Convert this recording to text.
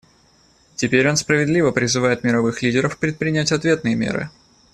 Теперь он справедливо призывает мировых лидеров предпринять ответные меры.